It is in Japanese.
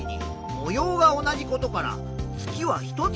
模様が同じだから月は１つ。